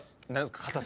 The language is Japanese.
硬さ？